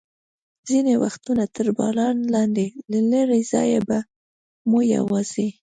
ځینې وختونه تر باران لاندې، له لرې ځایه به مو یوازې.